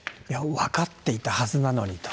分かっていたはずなのに。